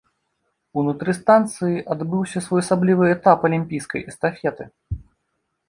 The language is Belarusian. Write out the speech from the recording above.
Унутры станцыі адбыўся своеасаблівы этап алімпійскай эстафеты.